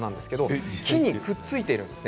木にくっついているんですね。